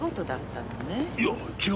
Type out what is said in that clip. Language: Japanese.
いや違うよ。